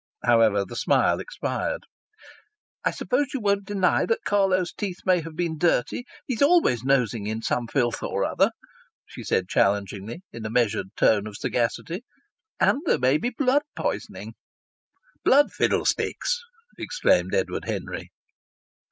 However, the smile expired. "I suppose you won't deny that Carlo's teeth may have been dirty? He's always nosing in some filth or other," she said challengingly, in a measured tone of sagacity. "And there may be blood poisoning." "Blood fiddlesticks!" exclaimed Edward Henry.